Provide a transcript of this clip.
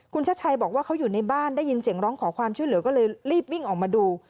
คุณชัดชัยบอกว่าเขาอยู่ในบ้านได้ยินเสียงร้องขอความช่วยเหลือก็เลยรีบวิ่งออกมาดู